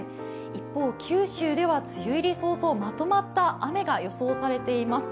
一方、九州では梅雨入り早々、まとまった雨が予想されます。